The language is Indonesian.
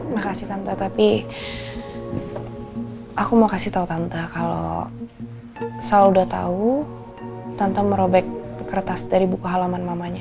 makasih tante tapi aku mau kasih tau tante kalau sal udah tau tante merobek kertas dari buku alaman mamanya